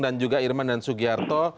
dan juga irman dan sugiarto